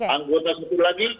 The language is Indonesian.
anggota satu lagi